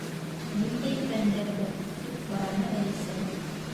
—Ниндәй фәндәрҙе? —тип һораны Әлисә.